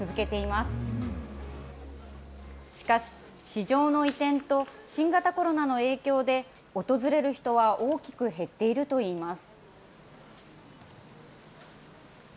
しかし、市場の移転と新型コロナの影響で、訪れる人は大きく減っているといいます。